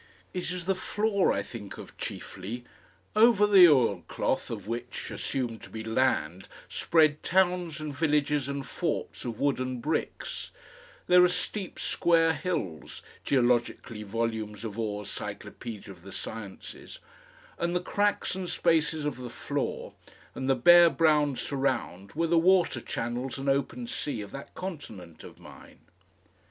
It is the floor I think of chiefly; over the oilcloth of which, assumed to be land, spread towns and villages and forts of wooden bricks; there are steep square hills (geologically, volumes of Orr's CYCLOPAEDIA OF THE SCIENCES) and the cracks and spaces of the floor and the bare brown surround were the water channels and open sea of that continent of mine.